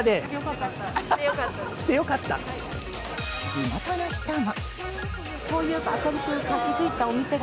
地元の人も。